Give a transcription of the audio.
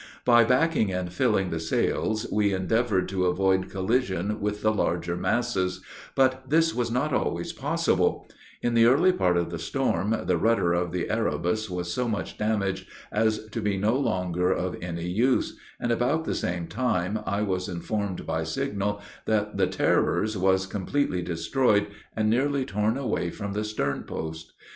By backing and filling the sails, we endeavored to avoid collision with the larger masses; but this was not always possible: in the early part of the storm, the rudder of the Erebus was so much damaged as to be no longer of any use; and about the same time, I was informed by signal that the Terror's was completely destroyed, and nearly torn away from the stern post.